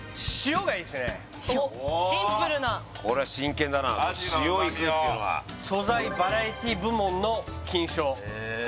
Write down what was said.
塩シンプルなこれは真剣だな塩いくっていうのが素材バラエティ部門の金賞・え